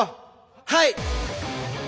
はい！